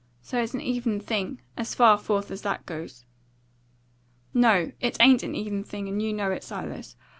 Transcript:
So it's an even thing, as far forth as that goes." "No, it ain't an even thing, and you know it, Silas.